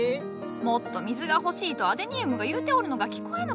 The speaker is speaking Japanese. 「もっと水を欲しい」とアデニウムが言うておるのが聞こえぬか？